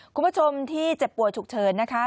คุณผู้ชมที่เจ็บป่วยฉุกเฉินนะคะ